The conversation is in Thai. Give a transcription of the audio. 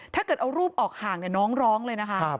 ถ้าเกิดเอารูปออกห่างน้องร้องเลยนะคะ